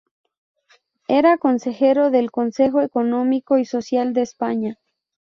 Era consejero del Consejo Económico y Social de España.